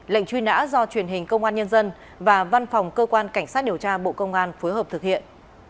lệnh truy nã do truyền hình công an nhân dân và văn phòng cơ quan cảnh sát điều tra bộ công an phối hợp thực hiện